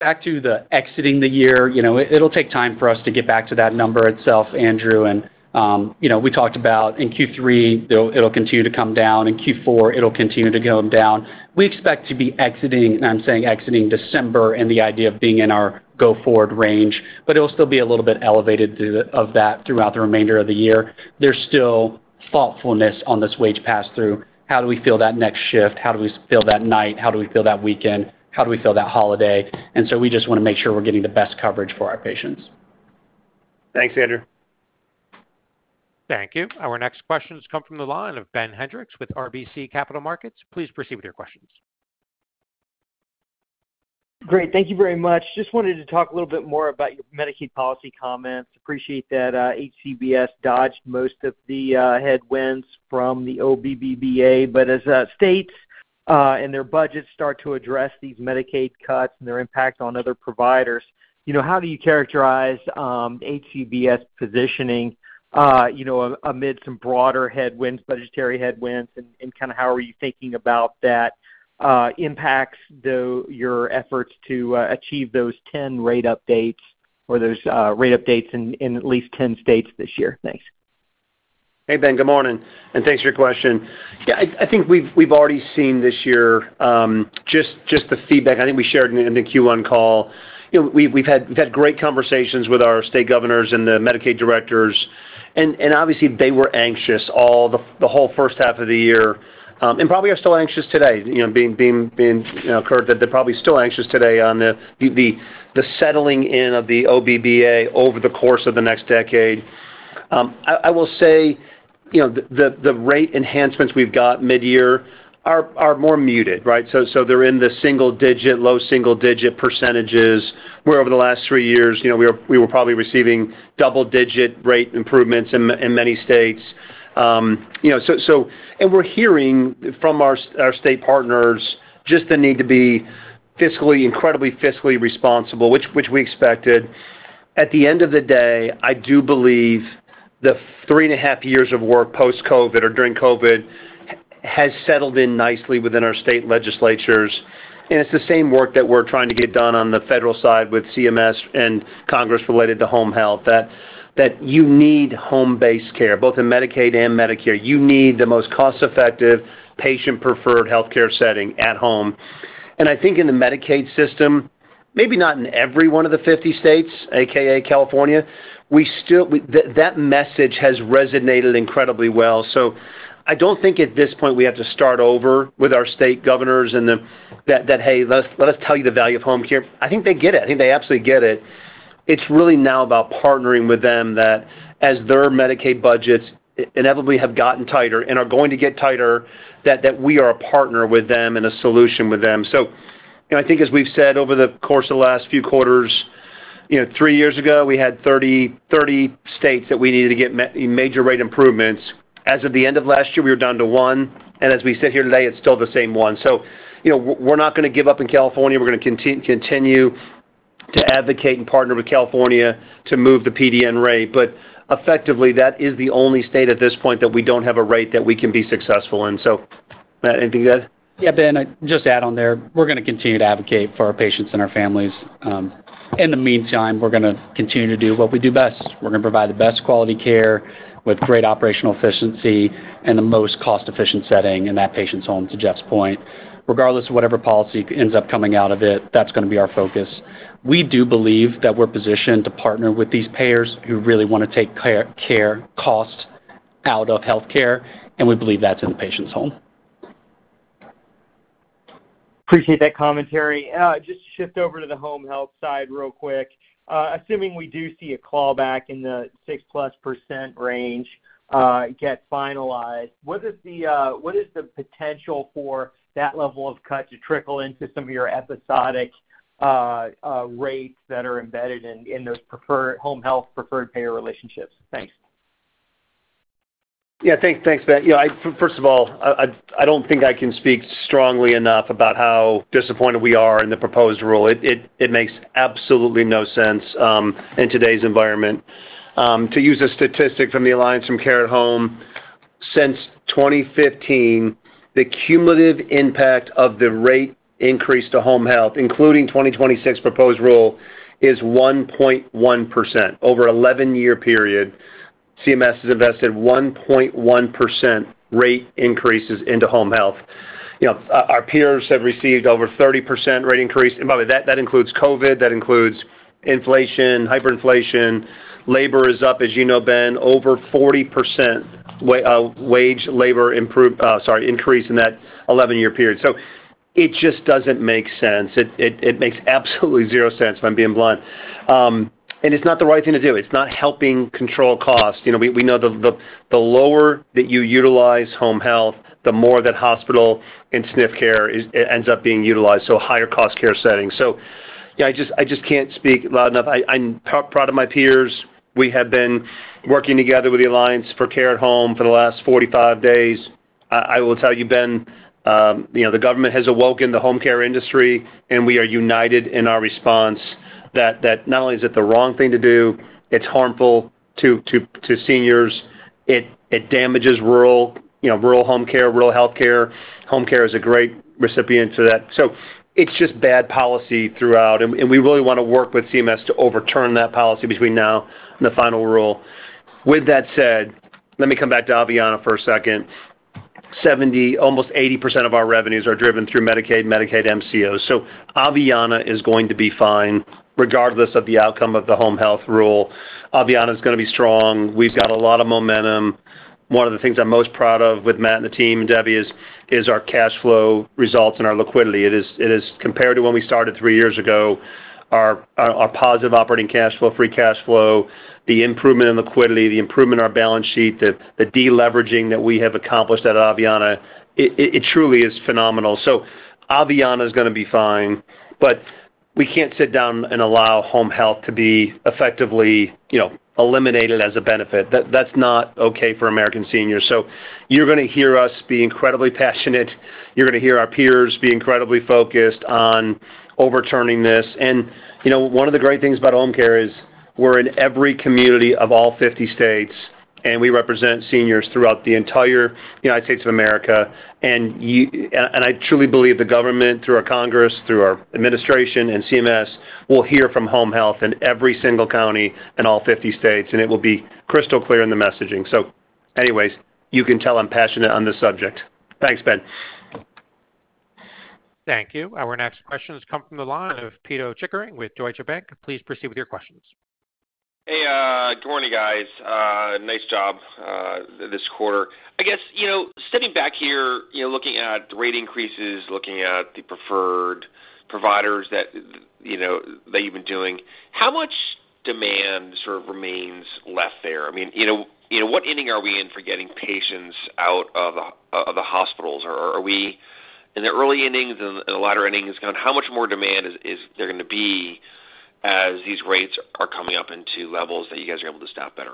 Back to exiting the year, it'll take time for us to get back to that number itself, Andrew. We talked about in Q3, it'll continue to come down. In Q4, it'll continue to go down. We expect to be exiting, and I'm saying exiting December in the idea of being in our go forward range, but it'll still be a little bit elevated of that throughout the remainder of the year. There's still thoughtfulness on this wage pass-through. How do we feel that next shift? How do we feel that night? How do we feel that weekend? How do we feel that holiday? We just want to make sure we're getting the best coverage for our patients.
Thanks, Andrew.
Thank you. Our next questions come from the line of Ben Hendrix with RBC Capital Markets. Please proceed with your questions.
Great. Thank you very much. Just wanted to talk a little bit more about your Medicaid policy comments. Appreciate that HCBS dodged most of the headwinds from the OBBBA. As states and their budgets start to address these Medicaid cuts and their impact on other providers, how do you characterize HCBS' positioning amid some broader headwinds, budgetary headwinds, and how are you thinking about that impacts your efforts to achieve those rate updates in at least 10 states this year? Thanks.
Hey, Ben, good morning. Thanks for your question. I think we've already seen this year just the feedback I think we shared in the Q1 call. We've had great conversations with our state governors and the Medicaid directors. Obviously, they were anxious the whole first half of the year and probably are still anxious today. Being heard that they're probably still anxious today on the settling in of the OBBBA over the course of the next decade. I will say the rate enhancements we've got mid-year are more muted, right? They're in the single-digit, low single-digit %s, where over the last three years, we were probably receiving double-digit rate improvements in many states. We're hearing from our state partners just the need to be incredibly fiscally responsible, which we expected. At the end of the day, I do believe the three and a half years of work post-COVID or during COVID has settled in nicely within our state legislatures. It's the same work that we're trying to get done on the federal side with CMS and Congress related to Home Health, that you need home-based care, both in Medicaid and Medicare. You need the most cost-effective, patient-preferred healthcare setting at home. I think in the Medicaid system, maybe not in every one of the 50 states, aka California, that message has resonated incredibly well. I don't think at this point we have to start over with our state governors and that, hey, let us tell you the value of home care. I think they get it. I think they absolutely get it. It's really now about partnering with them that as their Medicaid budgets inevitably have gotten tighter and are going to get tighter, we are a partner with them and a solution with them. I think as we've said over the course of the last few quarters, three years ago we had 30 states that we needed to get major rate improvements. As of the end of last year, we were down to one. As we sit here today, it's still the same one. We're not going to give up in California. We're going to continue to advocate and partner with California to move the PDN rate. Effectively, that is the only state at this point that we don't have a rate that we can be successful in. Matt, anything to add?
Yeah, Ben, just to add on there, we're going to continue to advocate for our patients and our families. In the meantime, we're going to continue to do what we do best. We're going to provide the best quality care with great operational efficiency and the most cost-efficient setting in that patient's home, to Jeff's point. Regardless of whatever policy ends up coming out of it, that's going to be our focus. We do believe that we're positioned to partner with these payers who really want to take care cost out of healthcare, and we believe that's in the patient's home.
Appreciate that commentary. Just to shift over to the Home Health side real quick, assuming we do see a clawback in the 6% plus range get finalized, what is the potential for that level of cut to trickle into some of your episodic rates that are embedded in those Home Health preferred payer relationships? Thanks.
Yeah, thanks, Ben. First of all, I don't think I can speak strongly enough about how disappointed we are in the proposed rule. It makes absolutely no sense in today's environment. To use a statistic from the Alliance for Care at Home, since 2015, the cumulative impact of the rate increase to Home Health, including the 2026 proposed rule, is 1.1%. Over an 11-year period, CMS has invested 1.1% rate increases into Home Health. Our peers have received over a 30% rate increase. By the way, that includes COVID, that includes inflation, hyperinflation, labor is up, as you know, Ben, over 40% wage labor increase in that 11-year period. It just doesn't make sense. It makes absolutely zero sense, if I'm being blunt. It's not the right thing to do. It's not helping control costs. We know the lower that you utilize Home Health, the more that hospital and SNF care ends up being utilized, so higher cost care settings. I just can't speak loud enough. I'm proud of my peers. We have been working together with the Alliance for Care at Home for the last 45 days. I will tell you, Ben, the government has awoken the home care industry, and we are united in our response that not only is it the wrong thing to do, it's harmful to seniors, it damages rural home care, rural healthcare. Home care is a great recipient to that. It's just bad policy throughout, and we really want to work with CMS to overturn that policy between now and the final rule. With that said, let me come back to Aveanna for a second. 70, almost 80% of our revenues are driven through Medicaid and Medicaid MCO. Aveanna is going to be fine regardless of the outcome of the Home Health rule. Aveanna is going to be strong. We've got a lot of momentum. One of the things I'm most proud of with Matt and the team, Debbie, is our cash flow results and our liquidity. Compared to when we started three years ago, our positive operating cash flow, free cash flow, the improvement in liquidity, the improvement in our balance sheet, the deleveraging that we have accomplished at Aveanna, it truly is phenomenal. Aveanna is going to be fine, but we can't sit down and allow Home Health to be effectively, you know, eliminated as a benefit. That's not okay for American seniors. You're going to hear us be incredibly passionate. You're going to hear our peers be incredibly focused on overturning this. One of the great things about home care is we're in every community of all 50 states, and we represent seniors throughout the entire United States of America. I truly believe the government, through our Congress, through our administration, and CMS will hear from home health in every single county in all 50 states, and it will be crystal clear in the messaging. You can tell I'm passionate on this subject. Thanks, Ben.
Thank you. Our next questions come from the line of Pito Chickering with Deutsche Bank. Please proceed with your questions.
Hey, good morning, guys. Nice job this quarter. I guess, stepping back here, looking at rate increases, looking at the preferred providers that you've been doing, how much demand sort of remains left there? I mean, what inning are we in for getting patients out of the hospitals? Are we in the early innings or the latter innings? How much more demand is there going to be as these rates are coming up into levels that you guys are able to staff better?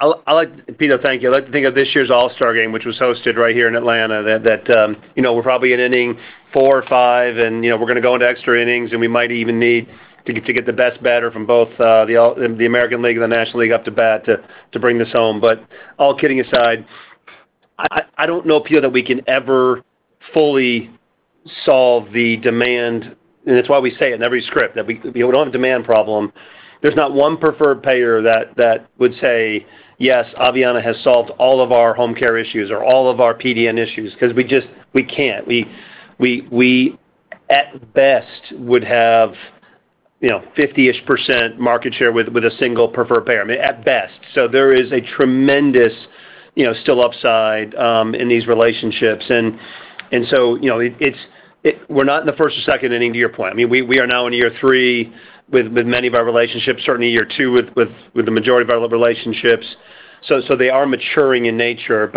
I'll like Pito, thank you. I'd like to think of this year's All-Star Game, which was hosted right here in Atlanta, that, you know, we're probably in inning four or five, and you know, we're going to go into extra innings, and we might even need to get the best batter from both the American League and the National League up to bat to bring this home. All kidding aside, I don't know, Pito, that we can ever fully solve the demand. That's why we say it in every script that we don't have a demand problem. There's not one preferred payer that would say, yes, Aveanna has solved all of our home care issues or all of our PDN issues because we just can't. We at best would have, you know, 50% market share with a single preferred payer, I mean, at best. There is a tremendous, you know, still upside in these relationships. We're not in the first or second inning to your point. I mean, we are now in year three with many of our relationships, certainly year two with the majority of our relationships. They are maturing in nature.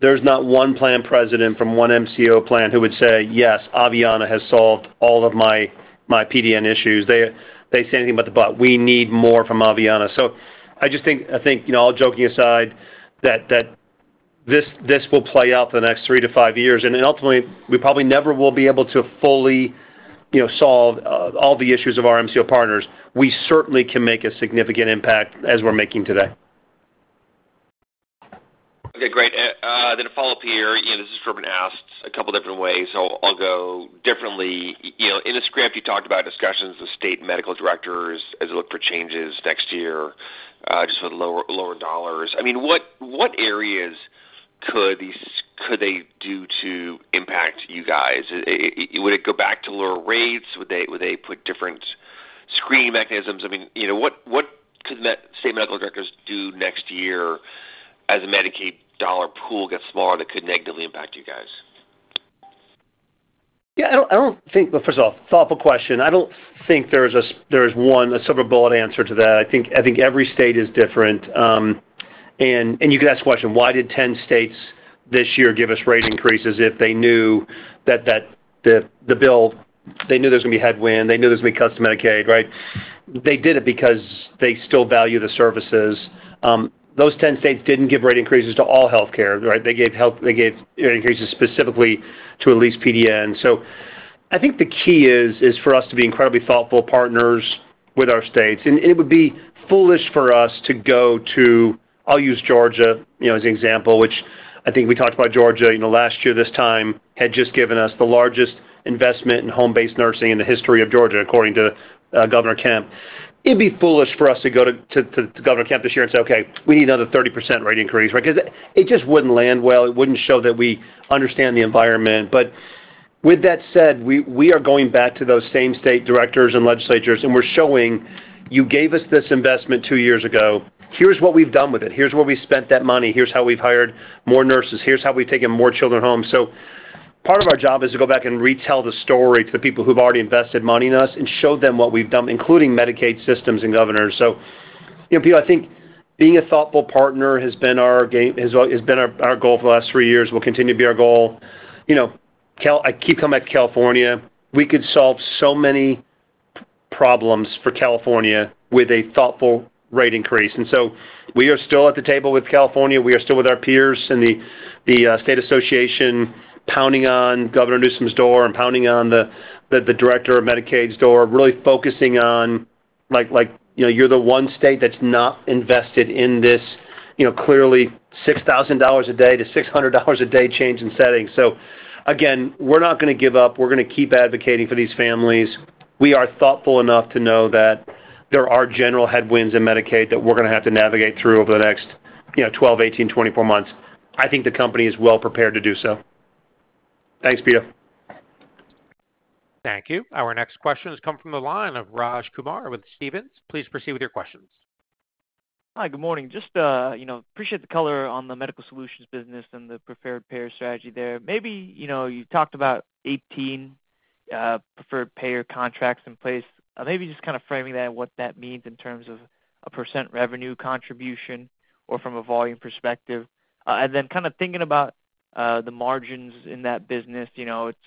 There's not one plan president from one MCO plan who would say, yes, Aveanna has solved all of my PDN issues. They say anything about the, but we need more from Aveanna. I just think, you know, all joking aside, that this will play out for the next three to five years. Ultimately, we probably never will be able to fully, you know, solve all the issues of our MCO partners. We certainly can make a significant impact as we're making today.
Okay, great. A follow-up here. You know, this has sort of been asked a couple of different ways. I'll go differently. In the script, you talked about discussions with state medical directors as they look for changes next year, just with lower dollars. I mean, what areas could they do to impact you guys? Would it go back to lower rates? Would they put different screening mechanisms? I mean, what could state medical directors do next year as the Medicaid dollar pool gets smaller that could negatively impact you guys?
Yeah, I don't think, first of all, thoughtful question. I don't think there's one, a silver bullet answer to that. I think every state is different. You could ask the question, why did 10 states this year give us rate increases if they knew that the bill, they knew there was going to be a headwind, they knew there was going to be cuts to Medicaid, right? They did it because they still value the services. Those 10 states didn't give rate increases to all healthcare, right? They gave rate increases specifically to at least PDN. I think the key is for us to be incredibly thoughtful partners with our states. It would be foolish for us to go to, I'll use Georgia as an example, which I think we talked about Georgia, last year, this time had just given us the largest investment in home-based nursing in the history of Georgia, according to Governor Kemp. It'd be foolish for us to go to Governor Kemp this year and say, okay, we need another 30% rate increase, right? Because it just wouldn't land well. It wouldn't show that we understand the environment. With that said, we are going back to those same state directors and legislatures, and we're showing you gave us this investment two years ago. Here's what we've done with it. Here's where we spent that money. Here's how we've hired more nurses. Here's how we've taken more children home. Part of our job is to go back and retell the story to the people who've already invested money in us and show them what we've done, including Medicaid systems and governors. You know, Pito, I think being a thoughtful partner has been our goal for the last three years. We'll continue to be our goal. I keep coming back to California. We could solve so many problems for California with a thoughtful rate increase. We are still at the table with California. We are still with our peers in the state association, pounding on Governor Newsom's door and pounding on the director of Medicaid's door, really focusing on, like, you're the one state that's not invested in this, you know, clearly $6,000 a day to $600 a day change in setting. We're not going to give up. We're going to keep advocating for these families. We are thoughtful enough to know that there are general headwinds in Medicaid that we're going to have to navigate through over the next, you know, 12, 18, 24 months. I think the company is well prepared to do so. Thanks, Pito.
Thank you. Our next questions come from the line of Raj Kumar with Stephens. Please proceed with your questions.
Hi, good morning. I appreciate the color on the Medical Solutions business and the preferred payer strategy there. You talked about 18 preferred payer contracts in place. Maybe just kind of framing that and what that means in terms of a percent revenue contribution or from a volume perspective. Then kind of thinking about the margins in that business, it's,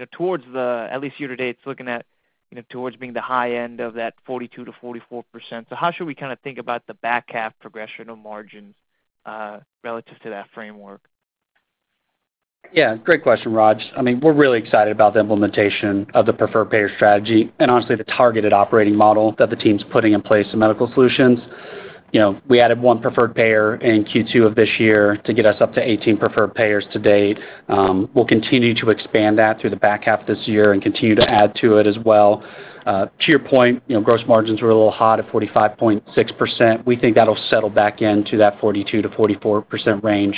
at least year to date, looking at being the high end of that 42% to 44%. How should we kind of think about the back half progression of margins relative to that framework?
Yeah, great question, Raj. I mean, we're really excited about the implementation of the preferred payer strategy and honestly the targeted operating model that the team's putting in place in Medical Solutions. You know, we added one preferred payer in Q2 of this year to get us up to 18 preferred payers to date. We'll continue to expand that through the back half of this year and continue to add to it as well. To your point, you know, gross margins were a little hot at 45.6%. We think that'll settle back into that 42% to 44% range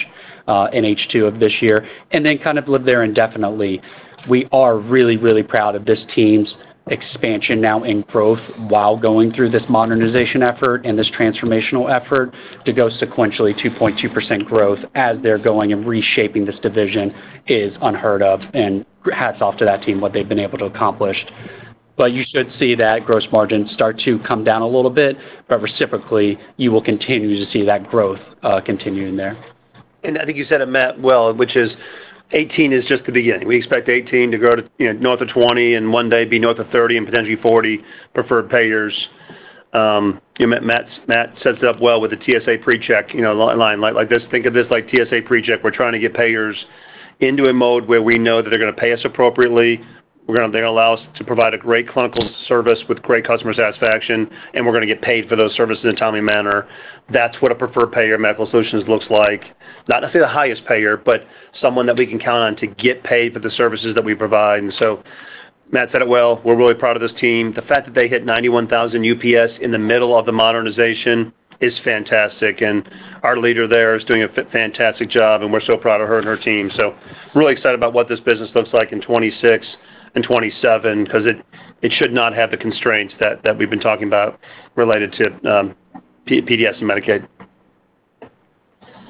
in H2 of this year and then kind of live there indefinitely. We are really, really proud of this team's expansion now in growth while going through this modernization effort and this transformational effort to go sequentially 2.2% growth as they're going and reshaping this division is unheard of and hats off to that team what they've been able to accomplish. You should see that gross margins start to come down a little bit, but reciprocally, you will continue to see that growth continuing there.
I think you said it well, which is 18 is just the beginning. We expect 18 to grow to north of 20 and one day be north of 30 and potentially 40 preferred payers. Matt sets it up well with a TSA PreCheck, a line like this. Think of this like TSA PreCheck. We're trying to get payers into a mode where we know that they're going to pay us appropriately. They're going to allow us to provide a great clinical service with great customer satisfaction, and we're going to get paid for those services in a timely manner. That's what a preferred payer in Medical Solutions looks like. Not necessarily the highest payer, but someone that we can count on to get paid for the services that we provide. Matt said it well. We're really proud of this team. The fact that they hit 91,000 UPS in the middle of the modernization is fantastic. Our leader there is doing a fantastic job, and we're so proud of her and her team. I'm really excited about what this business looks like in 2026 and 2027 because it should not have the constraints that we've been talking about related to PDS and Medicaid.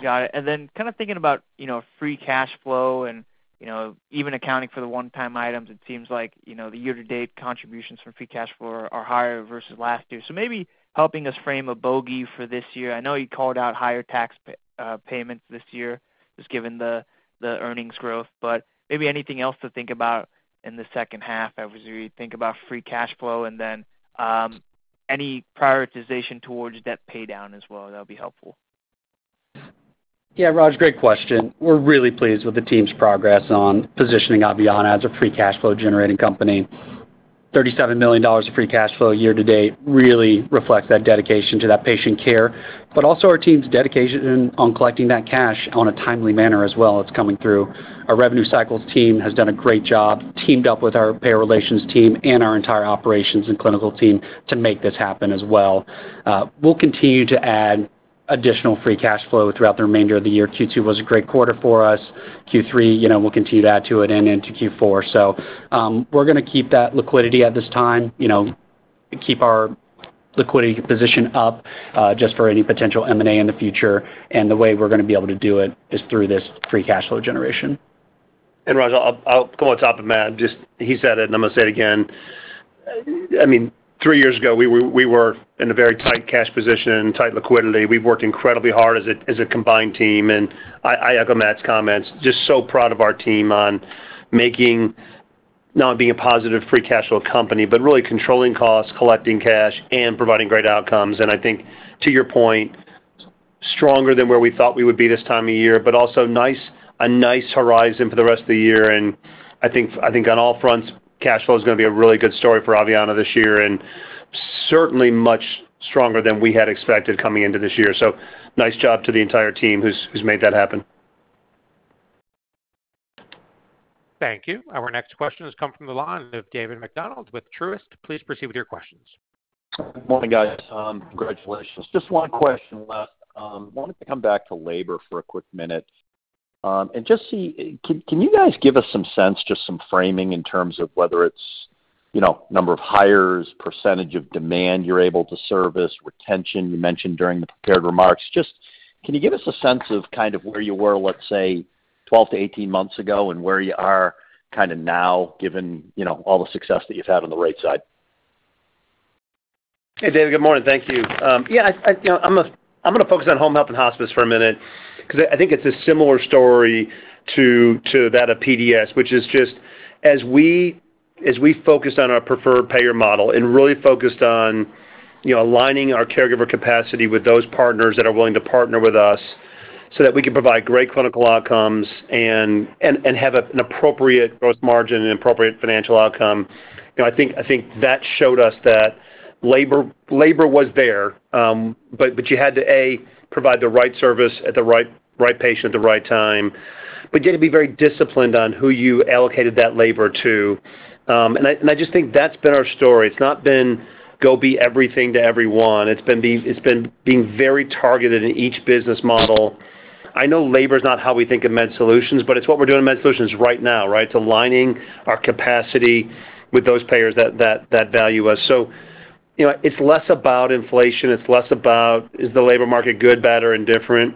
Got it. Kind of thinking about, you know, free cash flow and, you know, even accounting for the one-time items, it seems like, you know, the year-to-date contributions from free cash flow are higher versus last year. Maybe helping us frame a bogey for this year. I know you called out higher tax payments this year, just given the earnings growth, but maybe anything else to think about in the second half as we think about free cash flow and then any prioritization towards debt paydown as well. That would be helpful.
Yeah, Raj, great question. We're really pleased with the team's progress on positioning Aveanna as a free cash flow generating company. $37 million of free cash flow year to date really reflects that dedication to that patient care, but also our team's dedication on collecting that cash in a timely manner as well. It's coming through. Our revenue cycles team has done a great job teamed up with our payer relations team and our entire operations and clinical team to make this happen as well. We'll continue to add additional free cash flow throughout the remainder of the year. Q2 was a great quarter for us. Q3, you know, we'll continue to add to it and into Q4. We're going to keep that liquidity at this time, you know, keep our liquidity position up just for any potential M&A in the future. The way we're going to be able to do it is through this free cash flow generation.
Raj, I'll go on top of Matt. He said it, and I'm going to say it again. I mean, three years ago, we were in a very tight cash position, tight liquidity. We worked incredibly hard as a combined team. I echo Matt's comments, just so proud of our team on making, not only being a positive free cash flow company, but really controlling costs, collecting cash, and providing great outcomes. I think to your point, stronger than where we thought we would be this time of year, but also a nice horizon for the rest of the year. I think on all fronts, cash flow is going to be a really good story for Aveanna this year and certainly much stronger than we had expected coming into this year. Nice job to the entire team who's made that happen.
Thank you. Our next questions come from the line of David Macdonald with Truist Securities. Please proceed with your questions.
Morning, guys. I'm great to wish. Just one question left. I wanted to come back to labor for a quick minute and just see, can you guys give us some sense, just some framing in terms of whether it's, you know, number of hires, percentage of demand you're able to service, retention you mentioned during the prepared remarks? Just can you give us a sense of kind of where you were, let's say, 12 to 18 months ago and where you are kind of now given, you know, all the success that you've had on the right side?
Hey David, good morning. Thank you. Yeah, I'm going to focus on Home Health and Hospice for a minute because I think it's a similar story to that of PDS, which is just as we focus on our preferred payer model and really focused on, you know, aligning our caregiver capacity with those partners that are willing to partner with us so that we can provide great clinical outcomes and have an appropriate growth margin and appropriate financial outcome. I think that showed us that labor was there, but you had to, A, provide the right service at the right patient at the right time, but you had to be very disciplined on who you allocated that labor to. I just think that's been our story. It's not been go be everything to everyone. It's been being very targeted in each business model. I know labor is not how we think of Medical Solutions, but it's what we're doing in Medical Solutions right now, right? It's aligning our capacity with those payers that value us. It's less about inflation. It's less about is the labor market good, better, and different.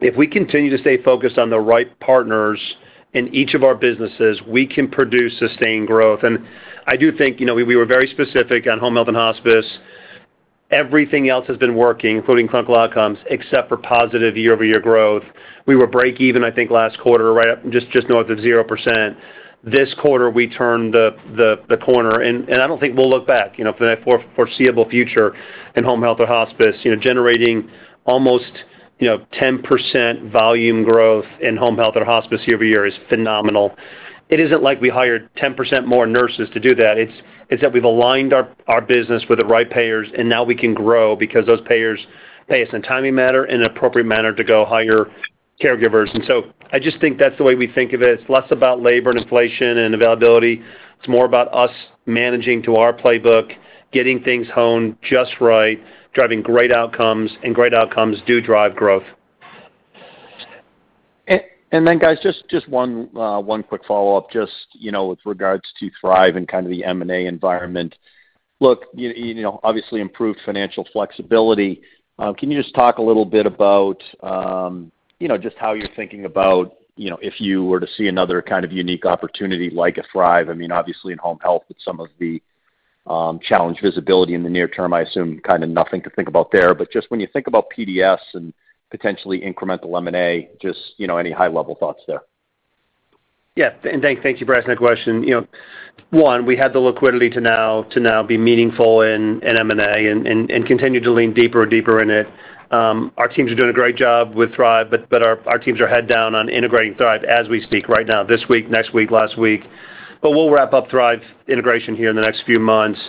If we continue to stay focused on the right partners in each of our businesses, we can produce sustained growth. I do think we were very specific on Home Health and Hospice. Everything else has been working, including clinical outcomes, except for positive year-over-year growth. We were break-even, I think, last quarter, right? Just north of 0%. This quarter, we turned the corner. I don't think we'll look back, you know, for the foreseeable future in Home Health or Hospice, generating almost, you know, 10% volume growth in Home Health or Hospice year-over-year is phenomenal. It isn't like we hired 10% more nurses to do that. It's that we've aligned our business with the right payers, and now we can grow because those payers pay us in a timely manner and in an appropriate manner to go hire caregivers. I just think that's the way we think of it. It's less about labor and inflation and availability. It's more about us managing to our playbook, getting things honed just right, driving great outcomes, and great outcomes do drive growth.
Just one quick follow-up with regards to Thrive and the M&A environment. Obviously, improved financial flexibility. Can you talk a little bit about how you're thinking about if you were to see another kind of unique opportunity like a Thrive? I mean, obviously in Home Health, but with some of the challenge visibility in the near term, I assume nothing to think about there. When you think about PDS and potentially incremental M&A, any high-level thoughts there?
Yeah, thank you for asking that question. You know, one, we had the liquidity to now be meaningful in M&A and continue to lean deeper and deeper in it. Our teams are doing a great job with Thrive, but our teams are head down on integrating Thrive as we speak right now, this week, next week, last week. We'll wrap up Thrive integration here in the next few months.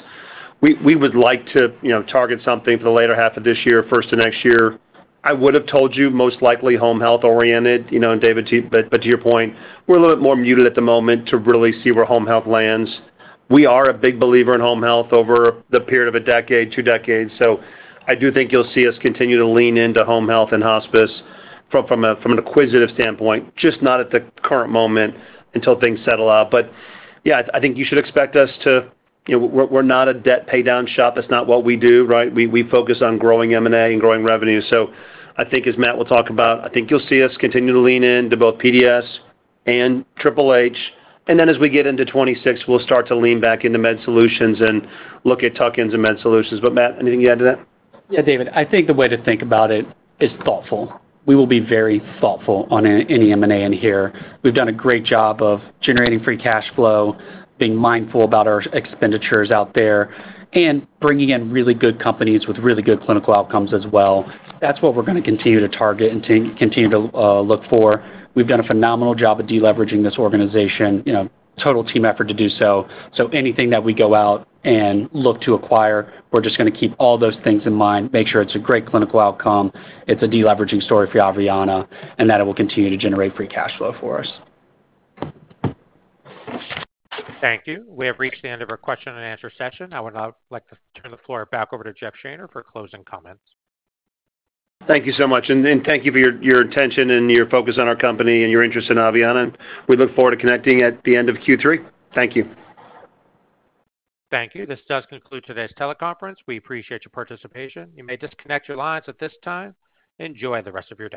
We would like to, you know, target something for the later half of this year, first of next year. I would have told you most likely Home Health-oriented, you know, and David, to your point, we're a little bit more muted at the moment to really see where Home Health lands. We are a big believer in Home Health over the period of a decade, two decades. I do think you'll see us continue to lean into Home Health and Hospice from an acquisitive standpoint, just not at the current moment until things settle out. I think you should expect us to, you know, we're not a debt paydown shop. That's not what we do, right? We focus on growing M&A and growing revenue. I think, as Matt will talk about, you'll see us continue to lean into both PDS and HHH. As we get into 2026, we'll start to lean back into Med Solutions and look at tuck-ins in Med Solutions. Matt, anything you add to that?
Yeah, David, I think the way to think about it is thoughtful. We will be very thoughtful on any M&A in here. We've done a great job of generating free cash flow, being mindful about our expenditures out there, and bringing in really good companies with really good clinical outcomes as well. That's what we're going to continue to target and continue to look for. We've done a phenomenal job at deleveraging this organization, total team effort to do so. Anything that we go out and look to acquire, we're just going to keep all those things in mind, make sure it's a great clinical outcome, it's a deleveraging story for Aveanna, and that it will continue to generate free cash flow for us.
Thank you. We have reached the end of our question and answer session. I would now like to turn the floor back over to Jeff Shaner for closing comments.
Thank you so much. Thank you for your attention and your focus on our company and your interest in Aveanna. We look forward to connecting at the end of Q3. Thank you.
Thank you. This does conclude today's teleconference. We appreciate your participation. You may disconnect your lines at this time. Enjoy the rest of your day.